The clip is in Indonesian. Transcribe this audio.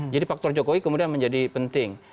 jadi faktor jokowi kemudian menjadi penting